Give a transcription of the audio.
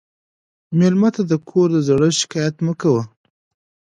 مېلمه ته د کور د زړښت شکایت مه کوه.